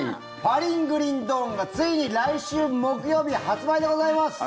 「パリングリンドーン」がついに来週木曜日発売でございます。